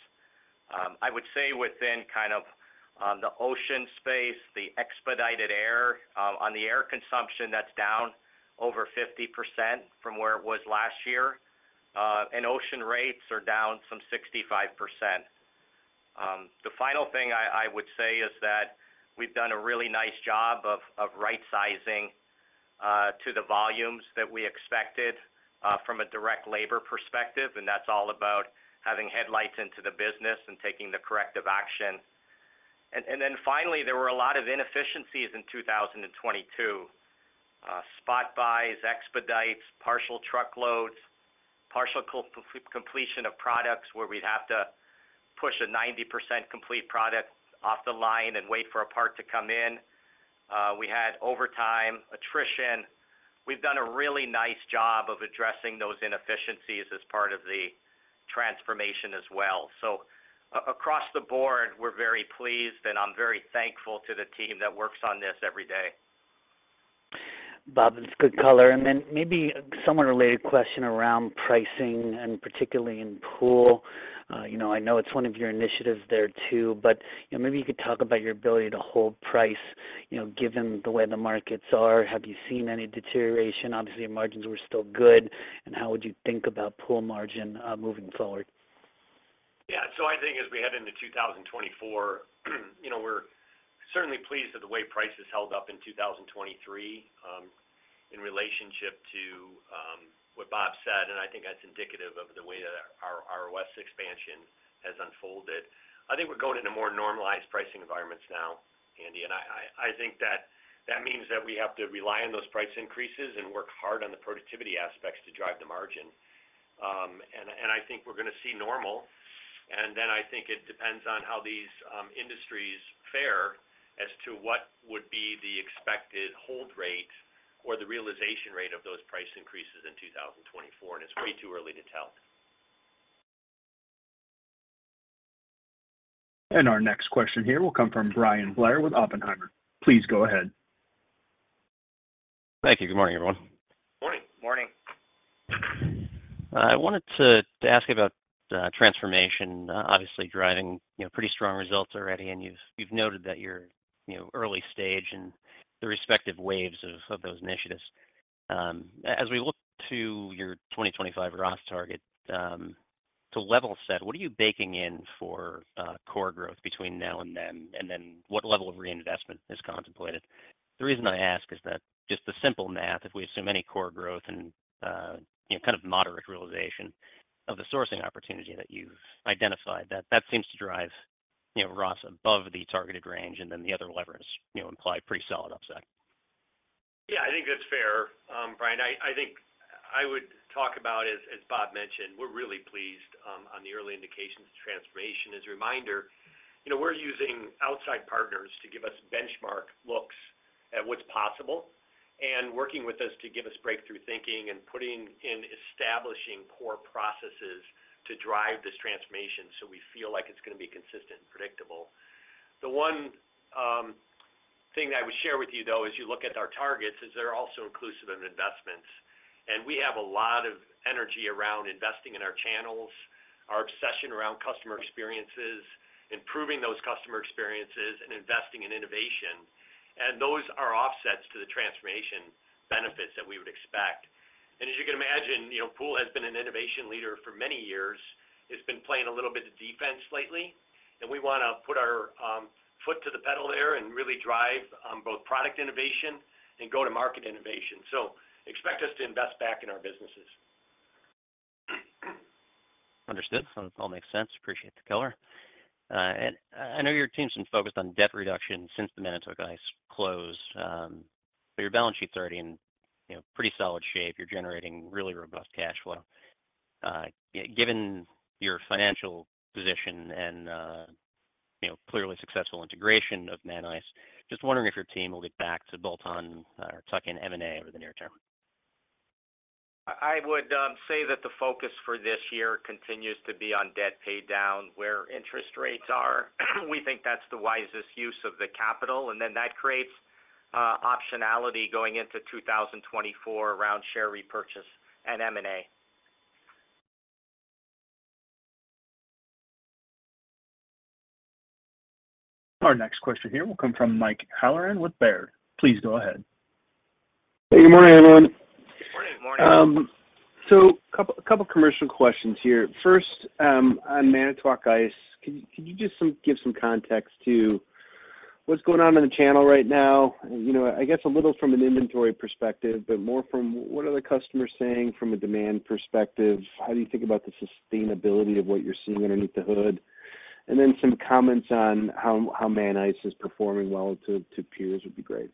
I would say within the ocean space, the expedited air, on the air consumption, that's down over 50% from where it was last year, and ocean rates are down some 65%. The final thing I would say is that we've done a really nice job of right-sizing to the volumes that we expected from a direct labor perspective, and that's all about having headlights into the business and taking the corrective action. Finally, there were a lot of inefficiencies in 2022. Spot buys, expedites, partial truckloads, partial completion of products where we'd have to push a 90% complete product off the line and wait for a part to come in. We had overtime, attrition. We've done a really nice job of addressing those inefficiencies as part of the transformation as well. Across the board, we're very pleased, and I'm very thankful to the team that works on this every day. Bob, it's good color. Then maybe a somewhat related question around pricing, and particularly in Pool. You know, I know it's one of your initiatives there, too, but, you know, maybe you could talk about your ability to hold price, you know, given the way the markets are. Have you seen any deterioration? Obviously, your margins were still good, and how would you think about Pool margin moving forward? I think as we head into 2024, you know, we're certainly pleased with the way prices held up in 2023, in relationship to what Bob said, and I think that's indicative of the way that our ROS expansion has unfolded. I think we're going into more normalized pricing environments now, Andy, and I think that means that we have to rely on those price increases and work hard on the productivity aspects to drive the margin. I think we're gonna see normal, then I think it depends on how these industries fare as to what would be the expected hold rate or the realization rate of those price increases in 2024, it's way too early to tell. Our next question here will come from Bryan Blair with Oppenheimer. Please go ahead. Thank you. Good morning, everyone. Morning. Morning. I wanted to ask about transformation, obviously driving, you know, pretty strong results already, and you've noted that you're, you know, early stage in the respective waves of those initiatives. As we look to your 2025 ROS target, to level set, what are you baking in for core growth between now and then? What level of reinvestment is contemplated? The reason I ask is that just the simple math, if we assume any core growth and, you know, kind of moderate realization of the sourcing opportunity that you've identified, that seems to drive, you know, ROS above the targeted range, the other levers, you know, imply pretty solid offset. Yeah, I think that's fair. Bryan, I think I would talk about as Bob mentioned, we're really pleased on the early indications of transformation. A reminder, you know, we're using outside partners to give us benchmark looks at what's possible, and working with us to give us breakthrough thinking and putting in establishing core processes to drive this transformation, so we feel like it's gonna be consistent and predictable. The one thing that I would share with you, though, as you look at our targets, is they're also inclusive of investments. We have a lot of energy around investing in our channels, our obsession around customer experiences, improving those customer experiences, and investing in innovation, and those are offsets to the transformation benefits that we would expect. As you can imagine, you know, Pool has been an innovation leader for many years. It's been playing a little bit of defense lately, and we want to put our foot to the pedal there and really drive on both product innovation and go-to-market innovation. Expect us to invest back in our businesses. Understood. It all makes sense. Appreciate the color. I know your team's been focused on debt reduction since the Manitowoc Ice close, but your balance sheet's already in, you know, pretty solid shape. You're generating really robust cash flow. Given your financial position and, you know, clearly successful integration of Manitowoc Ice, just wondering if your team will get back to bolt on or tuck in M&A over the near term. I would say that the focus for this year continues to be on debt paydown, where interest rates are. We think that's the wisest use of the capital, and then that creates optionality going into 2024 around share repurchase and M&A. Our next question here will come from Mike Halloran with Baird. Please go ahead. Hey, good morning, everyone. Good morning. Good morning. A couple commercial questions here. First, on Manitowoc Ice, can you just give some context to what's going on in the channel right now? You know, I guess a little from an inventory perspective, but more from what are the customers saying from a demand perspective, how do you think about the sustainability of what you're seeing underneath the hood? Some comments on how Manitowoc Ice is performing well to peers would be great.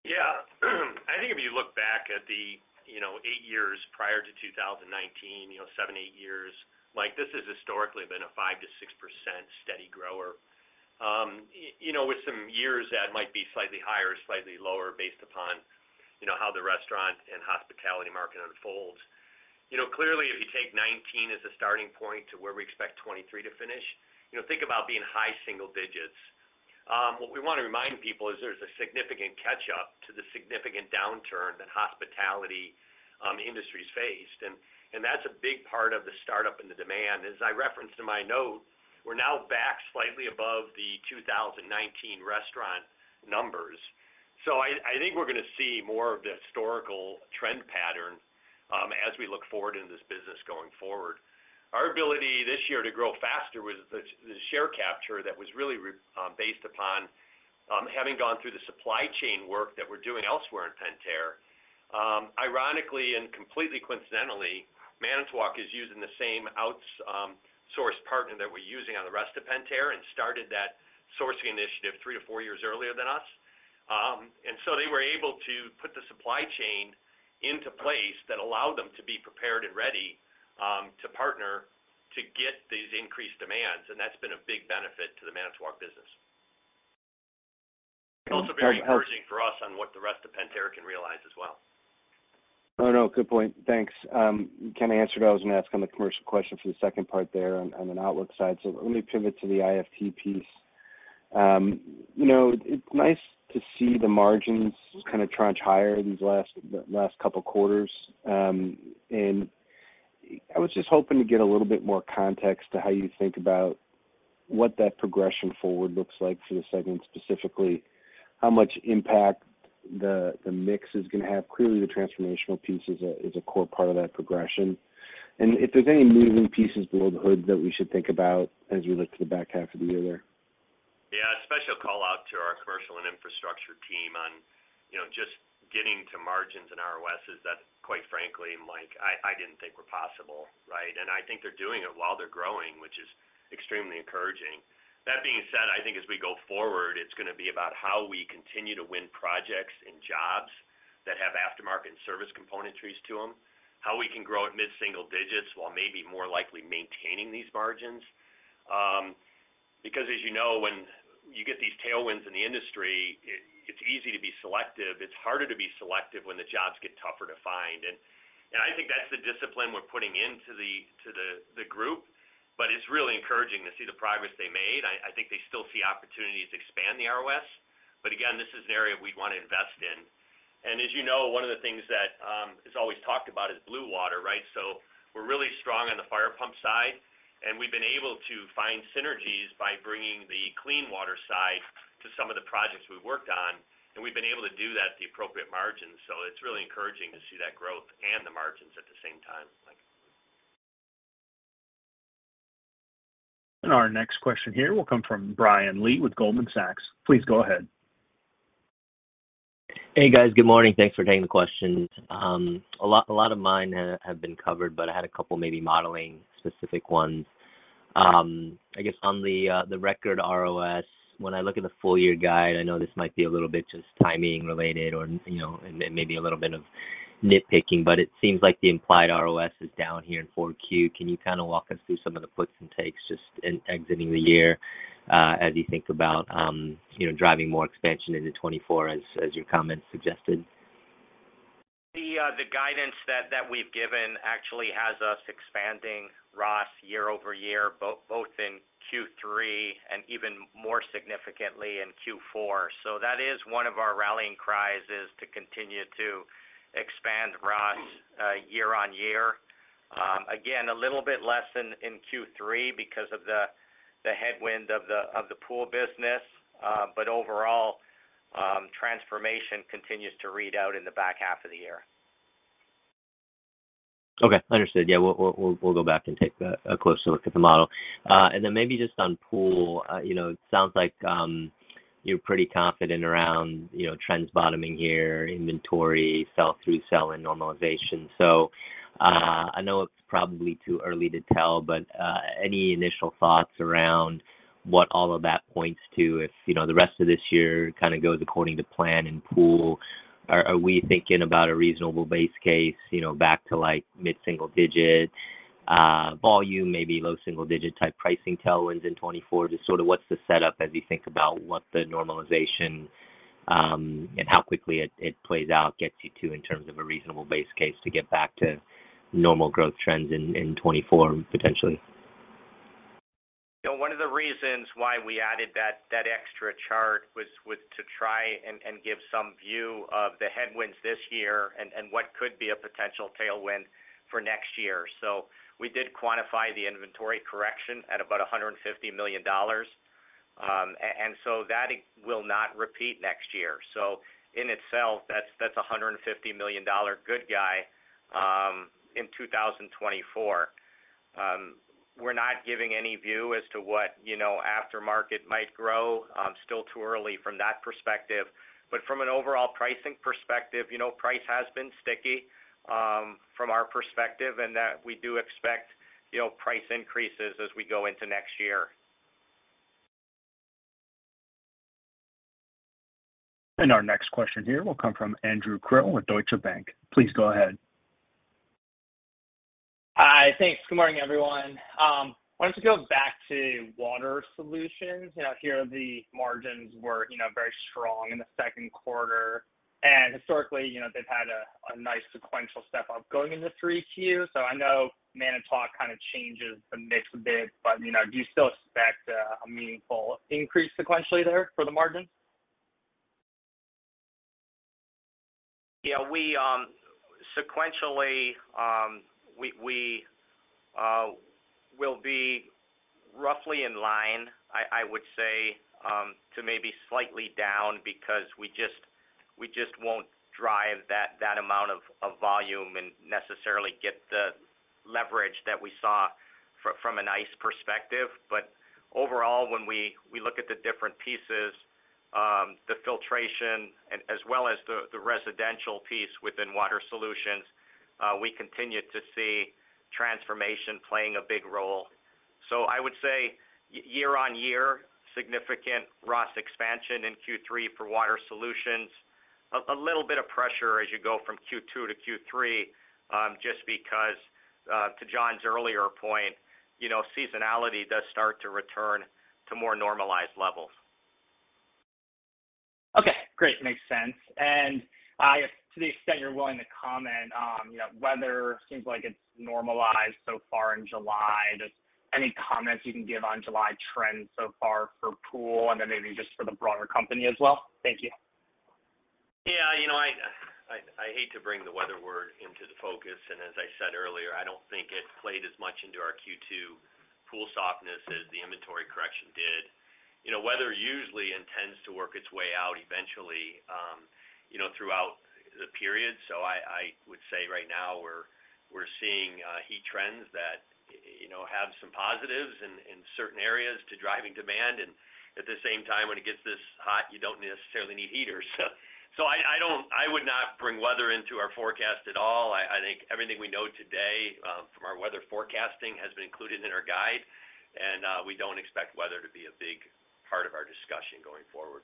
I think if you look back at the, you know, eight years prior to 2019, you know, seven, eight years, like, this has historically been a 5%-6% steady grower. You know, with some years that might be slightly higher or slightly lower based upon, you know, how the restaurant and hospitality market unfolds. You know, clearly, if you take 2019 as a starting point to where we expect 2023 to finish, you know, think about being high single digits. What we want to remind people is there's a significant catch-up to the significant downturn that hospitality industry has faced, and that's a big part of the startup and the demand. As I referenced in my note, we're now back slightly above the 2019 restaurant numbers. I think we're gonna see more of the historical trend pattern as we look forward in this business going forward. Our ability this year to grow faster was the share capture that was really based upon having gone through the supply chain work that we're doing elsewhere in Pentair. Ironically, and completely coincidentally, Manitowoc is using the same source partner that we're using on the rest of Pentair and started that sourcing initiative three to four years earlier than us. They were able to put the supply chain into place that allowed them to be prepared and ready to partner to get these increased demands, and that's been a big benefit to the Manitowoc business. It's also very encouraging for us on what the rest of Pentair can realize as well. Oh, no, good point. Thanks. kind of answered I was gonna ask on the commercial question for the second part there on an outlook side. Let me pivot to the IFT piece. you know, it's nice to see the margins kind of trunch higher these last couple of quarters. I was just hoping to get a little bit more context to how you think about. what that progression forward looks like for the segment, specifically, how much impact the mix is gonna have? Clearly, the transformational piece is a core part of that progression. If there's any moving pieces below the hood that we should think about as we look to the back half of the year there. Yeah, a special call out to our commercial and infrastructure team on, you know, just getting to margins and ROSs that, quite frankly, Mike, I didn't think were possible, right? I think they're doing it while they're growing, which is extremely encouraging. That being said, I think as we go forward, it's gonna be about how we continue to win projects and jobs that have aftermarket service componentries to them, how we can grow at mid-single digits while maybe more likely maintaining these margins. Because as you know, when you get these tailwinds in the industry, it's easy to be selective. It's harder to be selective when the jobs get tougher to find. I think that's the discipline we're putting into the group, but it's really encouraging to see the progress they made. I think they still see opportunities to expand the ROS. Again, this is an area we'd wanna invest in. As you know, one of the things that is always talked about is blue water, right? We're really strong on the fire pump side, and we've been able to find synergies by bringing the clean water side to some of the projects we've worked on, and we've been able to do that at the appropriate margins. It's really encouraging to see that growth and the margins at the same time, Mike. Our next question here will come from Brian Lee with Goldman Sachs. Please go ahead. Hey, guys. Good morning. Thanks for taking the questions. A lot of mine have been covered, but I had a couple maybe modeling specific ones. I guess on the record ROS, when I look at the full year guide, I know this might be a little bit just timing related or, you know, and maybe a little bit of nitpicking, but it seems like the implied ROS is down here in 4Q. Can you kind of walk us through some of the puts and takes just in exiting the year, as you think about, you know, driving more expansion into 2024, as your comments suggested? The guidance that we've given actually has us expanding ROS year-over-year, both in Q3 and even more significantly in Q4. That is one of our rallying cries, is to continue to expand ROS, year-on-year. Again, a little bit less than in Q3 because of the headwind of the Pool business, but overall, transformation continues to read out in the back half of the year. Okay, understood. Yeah, we'll go back and take a closer look at the model. Then maybe just on Pool, you know, it sounds like you're pretty confident around, you know, trends bottoming here, inventory, sell-through, sell and normalization. I know it's probably too early to tell, but any initial thoughts around what all of that points to if, you know, the rest of this year kind of goes according to plan in Pool? Are we thinking about a reasonable base case, you know, back to, like, mid-single digit volume, maybe low single digit type pricing tailwinds in 2024? Just sort of what's the setup as you think about what the normalization, and how quickly it plays out, gets you to in terms of a reasonable base case to get back to normal growth trends in 2024, potentially? You know, one of the reasons why we added that, that extra chart was to try and give some view of the headwinds this year and what could be a potential tailwind for next year. We did quantify the inventory correction at about $150 million. And so that will not repeat next year. In itself, that's $150 million good guy in 2024. We're not giving any view as to what, you know, aftermarket might grow. Still too early from that perspective. From an overall pricing perspective, you know, price has been sticky from our perspective, and that we do expect, you know, price increases as we go into next year. Our next question here will come from Andrew Krill with Deutsche Bank. Please go ahead. Hi. Thanks. Good morning, everyone. Wanted to go back to Water Solutions. You know, here, the margins were, you know, very strong in the second quarter, and historically, you know, they've had a, a nice sequential step-up going into three Q. I know Manitowoc kind of changes the mix a bit, but, you know, do you still expect a, a meaningful increase sequentially there for the margins? Yeah, we sequentially will be roughly in line, I would say, to maybe slightly down because we just won't drive that amount of volume and necessarily get the leverage that we saw from a nice perspective. But overall, when we look at the different pieces, the filtration, as well as the residential piece within Water Solutions, we continue to see transformation playing a big role. I would say year on year, significant ROS expansion in Q3 for Water Solutions. A little bit of pressure as you go from Q2 to Q3, just because to John's earlier point, you know, seasonality does start to return to more normalized levels. Okay, great. Makes sense. To the extent you're willing to comment on, you know, weather seems like it's normalized so far in July. Just any comments you can give on July trends so far for Pool and then maybe just for the broader company as well? Thank you. I hate to bring the weather word into the focus, as I said earlier, I don't think it played as much into our Q2 pool softness as the inventory correction did. You know, weather usually and tends to work its way out eventually, you know, throughout the period. I would say right now we're seeing heat trends that, you know, have some positives in, in certain areas to driving demand, and at the same time, when it gets this hot, you don't necessarily need heaters. I would not bring weather into our forecast at all. I think everything we know today, from our weather forecasting has been included in our guide, we don't expect weather to be a big part of our discussion going forward.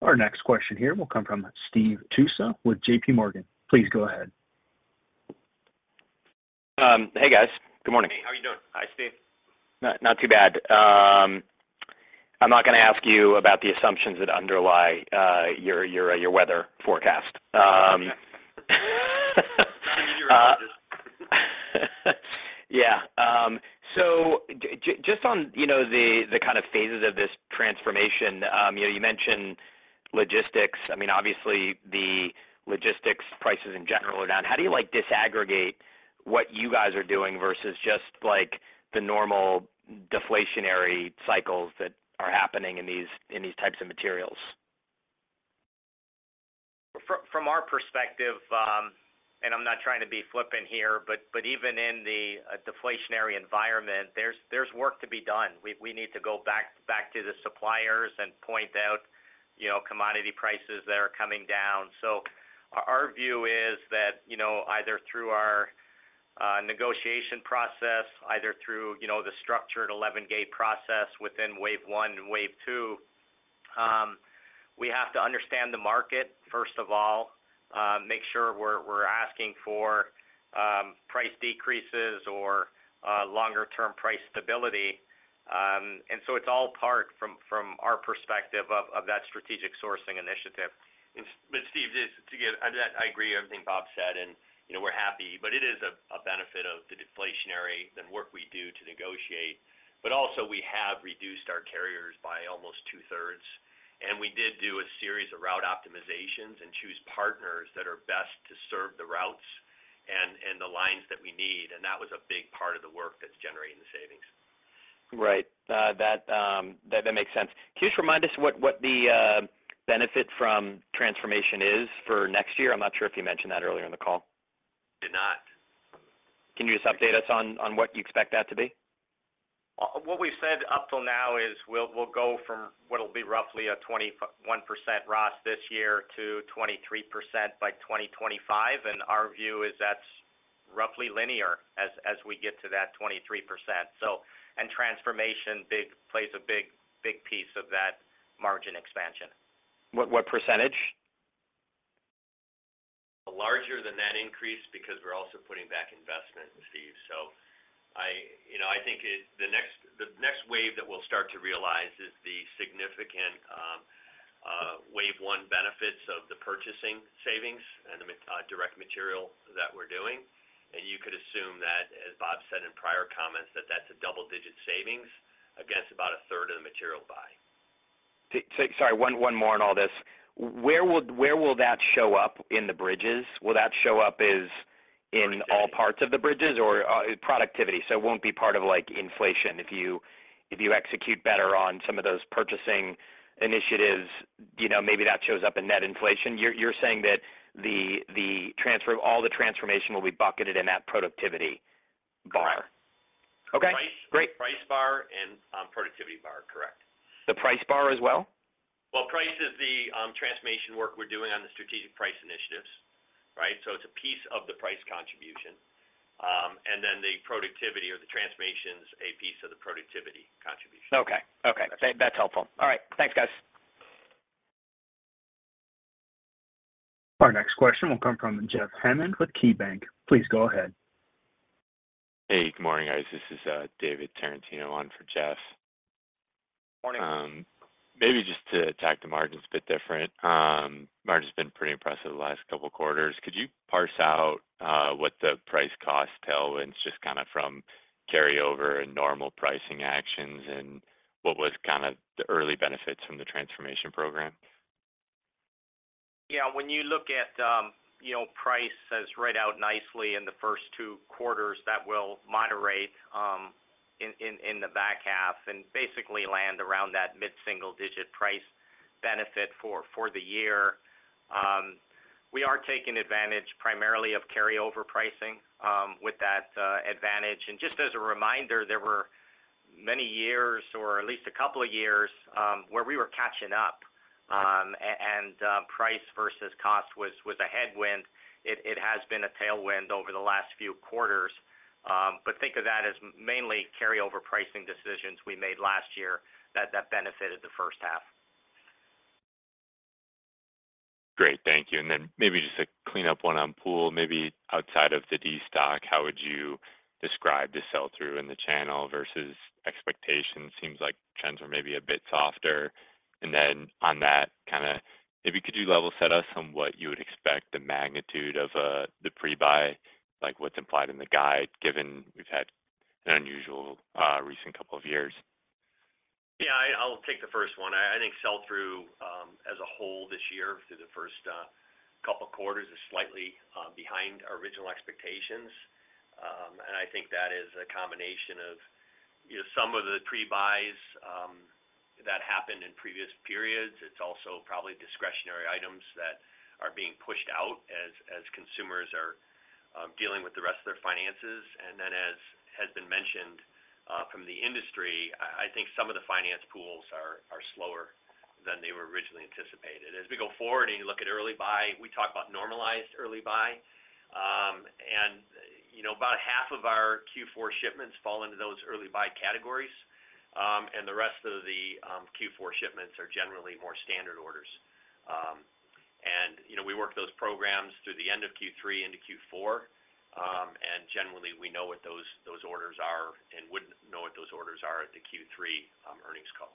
Our next question here will come from Stephen Tusa with JPMorgan. Please go ahead. Hey, guys. Good morning. Hey, how are you doing? Hi, Steve. Not too bad. I'm not gonna ask you about the assumptions that underlie your weather forecast. I mean, Yeah. Just on, you know, the kind of phases of this transformation, you know, you mentioned logistics. I mean, obviously, the logistics prices in general are down. How do you like disaggregate what you guys are doing versus just like the normal deflationary cycles that are happening in these types of materials? From our perspective, and I'm not trying to be flippant here, but even in the deflationary environment, there's work to be done. We need to go back to the suppliers and point out, you know, commodity prices that are coming down. Our view is that, you know, either through our negotiation process, either through the structured 11-gate process within wave 1 and wave 2, we have to understand the market, first of all, make sure we're asking for price decreases or longer-term price stability. It's all part from our perspective of that strategic sourcing initiative. Steve, I agree everything Bob said, and, you know, we're happy, but it is a benefit of the deflationary and work we do to negotiate. Also, we have reduced our carriers by almost two-thirds, and we did do a series of route optimizations and choose partners that are best to serve the routes and the lines that we need, and that was a big part of the work that's generating the savings. Right. That makes sense. Can you just remind us what the benefit from transformation is for next year? I'm not sure if you mentioned that earlier in the call. Did not. Can you just update us on what you expect that to be? What we've said up till now is we'll go from what will be roughly a 21% ROS this year to 23% by 2025, and our view is that's roughly linear as we get to that 23%. Transformation plays a big piece of that margin expansion. What %? Larger than that increase, because we're also putting back investment, Steve. I, you know, I think the next wave that we'll start to realize is the significant wave one benefits of the purchasing savings and direct material that we're doing. You could assume that, as Bob said in prior comments, that that's a double-digit savings against about a third of the material buy. Sorry, one more on all this. Where will that show up in the bridges? Will that show up as in all parts of the bridges or productivity? It won't be part of, like, inflation. If you execute better on some of those purchasing initiatives, you know, maybe that shows up in net inflation. You're saying that the transformation will be bucketed in that productivity bar? Correct. Okay, great. Price bar and productivity bar, correct. The price bar as well? Well, price is the transformation work we're doing on the strategic price initiatives, right? It's a piece of the price contribution. The productivity or the transformation is a piece of the productivity contribution. Okay. Okay. That's it. That's helpful. All right. Thanks, guys. Our next question will come from Jeff Hammond with KeyBanc. Please go ahead. Hey, good morning, guys. This is David Tarantino on for Jeff. Morning. Maybe just to attack the margins a bit different. Margin's been pretty impressive the last couple of quarters. Could you parse out what the price cost tailwind just kind of from carryover and normal pricing actions, and what was kind of the early benefits from the transformation program? Yeah, when you look at, you know, price has read out nicely in the first two quarters, that will moderate in the back half and basically land around that mid-single-digit price benefit for the year. We are taking advantage primarily of carryover pricing with that advantage. Just as a reminder, there were many years, or at least a couple of years, where we were catching up, and price versus cost was a headwind. It has been a tailwind over the last few quarters, but think of that as mainly carryover pricing decisions we made last year that benefited the first half. Great. Thank you. Then maybe just to clean up one on Pool, maybe outside of the destock, how would you describe the sell-through in the channel versus expectation? Seems like trends are maybe a bit softer. Then on that, kind of, maybe could you level set us on what you would expect the magnitude of the pre-buy, like what's implied in the guide, given we've had. an unusual, recent couple of years. Yeah, I'll take the first one. I think sell-through, as a whole this year through the first couple quarters, is slightly behind our original expectations. I think that is a combination of, you know, some of the pre-buys that happened in previous periods. It's also probably discretionary items that are being pushed out as consumers are dealing with the rest of their finances. Then, as has been mentioned from the industry, I think some of the finance pools are slower than they were originally anticipated. As we go forward and you look at early buy, we talk about normalized early buy. You know, about half of our Q4 shipments fall into those early buy categories. The rest of the Q4 shipments are generally more standard orders. You know, we work those programs through the end of Q3 into Q4. Generally, we know what those orders are and would know what those orders are at the Q3 earnings call.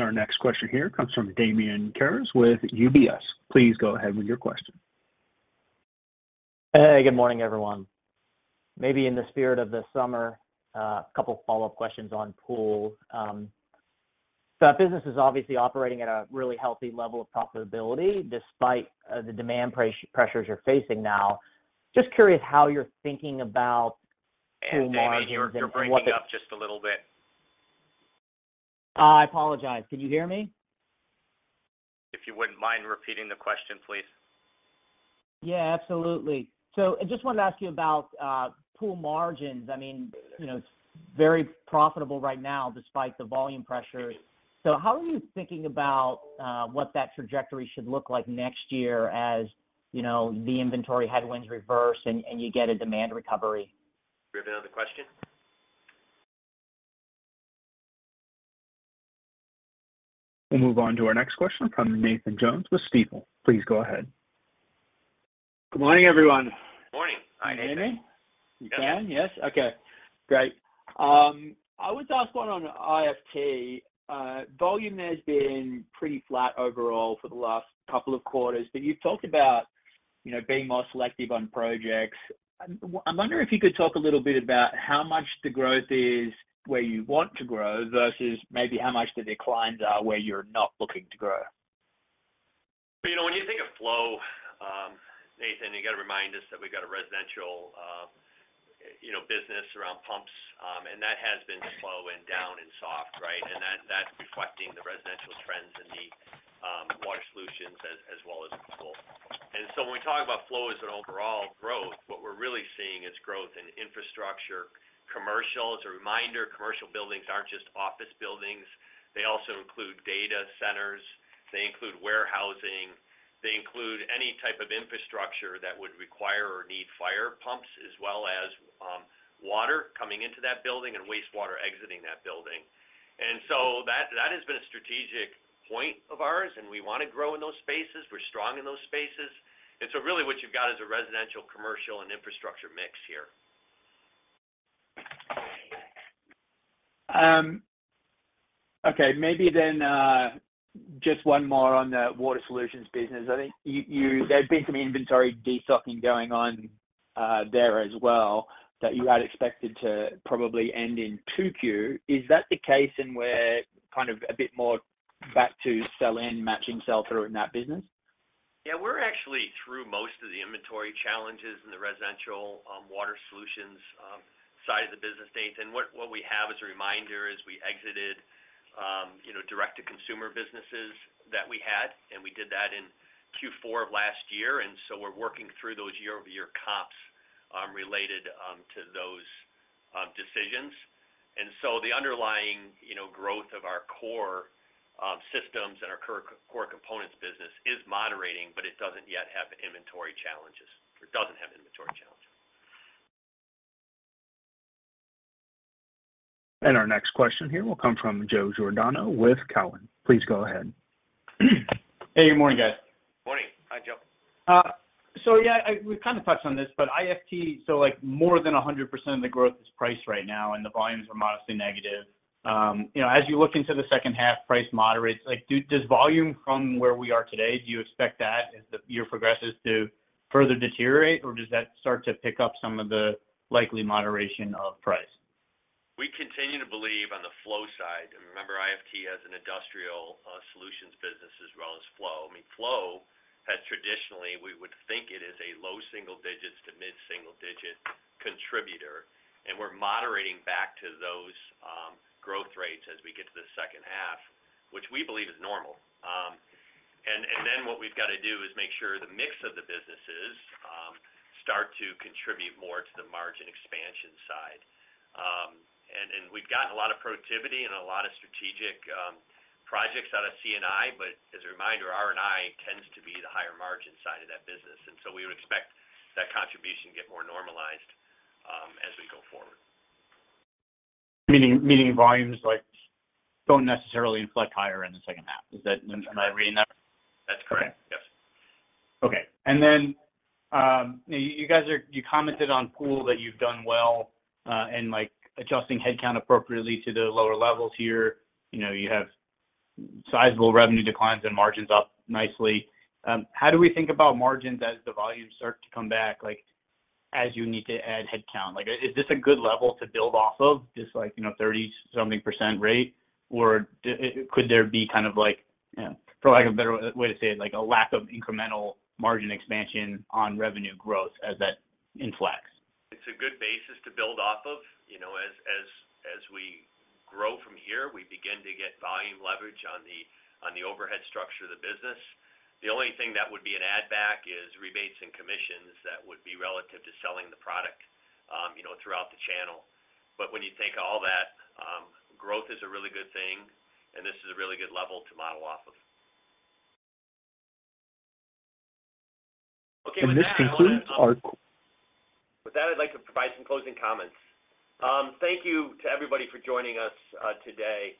Our next question here comes from Damian Karas with UBS. Please go ahead with your question. Hey, good morning, everyone. Maybe in the spirit of the summer, a couple follow-up questions on Pool. Business is obviously operating at a really healthy level of profitability despite the demand pressures you're facing now. Just curious how you're thinking about Pool margins and what the. Damian, you're breaking up just a little bit. I apologize. Can you hear me? If you wouldn't mind repeating the question, please. Yeah, absolutely. I just wanted to ask you about Pool margins. I mean, you know, it's very profitable right now, despite the volume pressures. How are you thinking about what that trajectory should look like next year as, you know, the inventory headwinds reverse and you get a demand recovery? Repeat on the question? We'll move on to our next question from Nathan Jones with Stifel. Please go ahead. Good morning, everyone. Morning. Hi, Nathan. Can you hear me? Yes. You can? Yes. Okay, great. I would ask one on IFT. volume has been pretty flat overall for the last couple of quarters, but you've talked about, you know, being more selective on projects. I'm wondering if you could talk a little bit about how much the growth is where you want to grow versus maybe how much the declines are where you're not looking to grow. You know, when you think of flow, Nathan, you got to remind us that we got a residential, you know, business around pumps, and that has been flowing down and soft, right? That's reflecting the residential trends in the Water Solutions as well as Pool. When we talk about flow as an overall growth, what we're really seeing is growth in infrastructure. Commercial, as a reminder, commercial buildings aren't just office buildings. They also include data centers, they include warehousing, they include any type of infrastructure that would require or need fire pumps, as well as water coming into that building and wastewater exiting that building. That has been a strategic point of ours, and we want to grow in those spaces. We're strong in those spaces, really what you've got is a residential, commercial, and infrastructure mix here. Okay, maybe then, just one more on the Water Solutions business. I think there's been some inventory destocking going on there as well, that you had expected to probably end in 2Q. Is that the case and we're kind of a bit more back to sell in matching sell-through in that business? Yeah, we're actually through most of the inventory challenges in the residential, Water Solutions, side of the business, Nathan. What we have as a reminder is we exited, you know, direct-to-consumer businesses that we had, and we did that in Q4 of last year. We're working through those year-over-year comps, related to those decisions. The underlying, you know, growth of our core, systems and our core components business is moderating, but it doesn't yet have inventory challenges, or doesn't have inventory challenges. Our next question here will come from Joe Giordano with Cowen. Please go ahead. Hey, good morning, guys. Morning. Hi, Joe. Yeah, we've touched on this, but IFT, so like more than 100% of the growth is price right now, and the volumes are modestly negative. You know, as you look into the second half, price moderates, like, does volume from where we are today, do you expect that as the year progresses to further deteriorate, or does that start to pick up some of the likely moderation of price? We continue to believe on the flow side, and remember, IFT has an Industrial Solutions business as well as flow. I mean, flow has traditionally, we would think it is a low single digits to mid single digit contributor, and we're moderating back to those growth rates as we get to the second half, which we believe is normal. Then what we've got to do is make sure the mix of the businesses start to contribute more to the margin expansion side. We've gotten a lot of productivity and a lot of strategic projects out of C&I, but as a reminder, R&I tends to be the higher margin side of that business, and so we would expect that contribution to get more normalized as we go forward. Meaning volumes like don't necessarily inflect higher in the second half. Is that... Am I reading that? That's correct. Yes. Okay. Then, you guys you commented on Pool that you've done well, and like adjusting headcount appropriately to the lower levels here. You know, you sizable revenue declines and margins up nicely. How do we think about margins as the volumes start to come back, like, as you need to add headcount? Like, is this a good level to build off of, just like, you know, 30 something % rate, or could there be kind of like, yeah, for like a better way to say it, like a lack of incremental margin expansion on revenue growth as that inflates? It's a good basis to build off of. You know, as we grow from here, we begin to get volume leverage on the overhead structure of the business. The only thing that would be an add back is rebates and commissions that would be relative to selling the product, you know, throughout the channel. When you take all that, growth is a really good thing, and this is a really good level to model off of. Okay, with that, I want to. This concludes. With that, I'd like to provide some closing comments. Thank you to everybody for joining us today.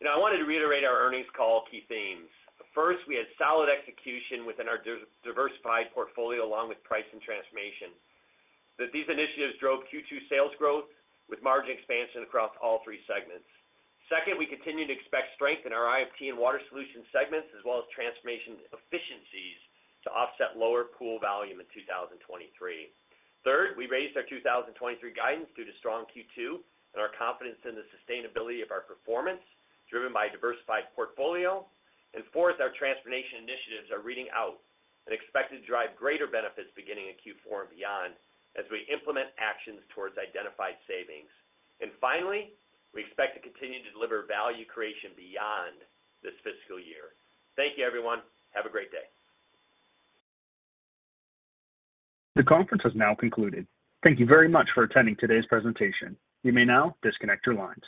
You know, I wanted to reiterate our earnings call key themes. First, we had solid execution within our diversified portfolio, along with price and transformation. These initiatives drove Q2 sales growth with margin expansion across all three segments. Second, we continue to expect strength in our IFT and Water Solutions segments, as well as transformation efficiencies to offset lower Pool volume in 2023. Third, we raised our 2023 guidance due to strong Q2 and our confidence in the sustainability of our performance, driven by a diversified portfolio. Fourth, our transformation initiatives are reading out and expected to drive greater benefits beginning in Q4 and beyond, as we implement actions towards identified savings. Finally, we expect to continue to deliver value creation beyond this fiscal year. Thank you, everyone. Have a great day. The conference has now concluded. Thank you very much for attending today's presentation. You may now disconnect your lines.